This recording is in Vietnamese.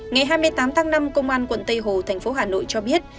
ngày hai mươi tám tháng năm công an quận tây hồ tp hà nội cho biết